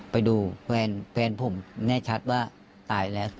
ไปดูแฟนผมแน่ชัดว่าตายแล้ว